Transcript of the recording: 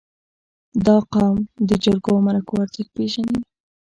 • دا قوم د جرګو او مرکو ارزښت پېژني.